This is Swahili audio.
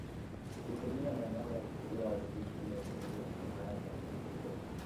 Kutumia madawa ya kuzuia wadudu chini ya usimamizi wa mtaalamu wa mifugo